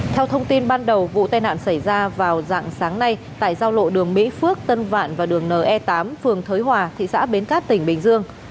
theo thông tin ban đầu vụ tai nạn xảy ra vào dạng sáng nay tại giao lộ đường mỹ phước tân vạn và đường ne tám phường thới hòa thị xã bến cát tỉnh bình dương